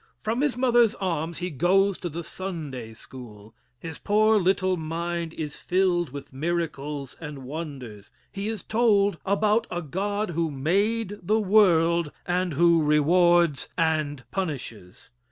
From his mother's arms he goes to the Sunday school. His poor little mind is filled with miracles and wonders. He is told about a God who made the world and who rewards and punishes.